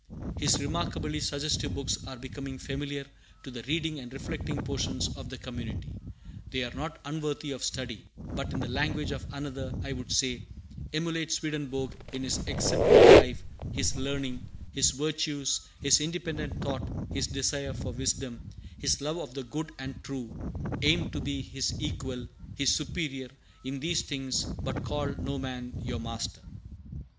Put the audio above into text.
His remarkably suggestive books are becoming familiar to the reading and reflecting portion of the community. They are not unworthy of study; but, in the language of another, I would say, "Emulate Swedenborg in his exemplary life, his learning, his virtues, his independent thought, his desire for wisdom, his love of the good and true; aim to be his equal, his superior, in these things; but call no man your master."